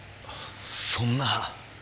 そんな。